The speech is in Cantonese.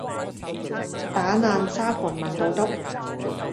打爛沙盤問到篤